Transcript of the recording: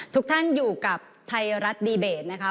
ทุกท่านอยู่กับไทยรัฐดีเบตนะคะ